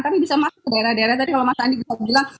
kami bisa masuk ke daerah daerah tadi kalau mas andi bilang